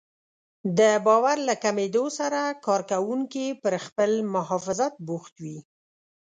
د باور له کمېدو سره کار کوونکي پر خپل محافظت بوخت وي.